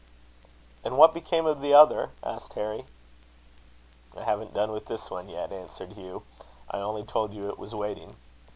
"And what became of the other?" asked Harry. "I haven't done with this one yet," answered Hugh. "I only told you it was waiting.